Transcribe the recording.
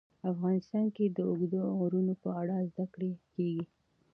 افغانستان کې د اوږده غرونه په اړه زده کړه کېږي.